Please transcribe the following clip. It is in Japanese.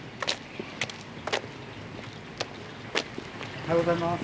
おはようございます。